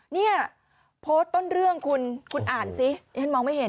เนี่ยโพสต์ต้นเรื่องคุณคุณอ่านซิดิฉันมองไม่เห็น